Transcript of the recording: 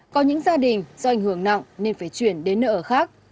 có những gia đình do ảnh hưởng nặng nên phải chuyển đến nơi ở khác